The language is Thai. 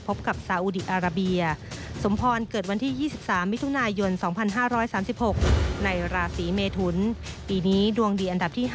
พบกับซาอุดิอาราเบีย